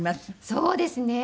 そうですね。